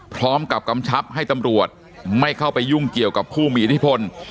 กำชับให้ตำรวจไม่เข้าไปยุ่งเกี่ยวกับผู้มีอิทธิพล